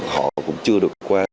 họ cũng chưa được qua